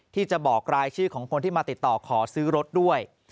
ที่จะบอกรายชื่อของคนที่มาติดต่อขอซื้อรถด้วย